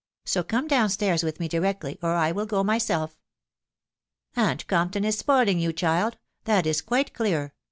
86 come down ataks with me directly, or X wul go by myself.* "Aunt Campion is spoiling you, child; that is quite ^ clear